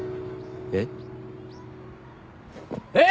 えっ？えっ！？